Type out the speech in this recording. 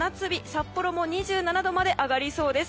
札幌も２７度まで上がりそうです。